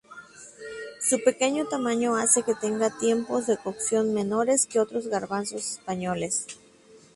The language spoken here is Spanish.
Su pequeño tamaño hace que tenga tiempos de cocción menores que otros garbanzos españoles.